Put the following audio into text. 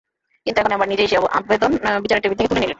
কিন্তু এখন অ্যাম্বার নিজেই সেই আবেদন বিচারের টেবিল থেকে তুলে নিলেন।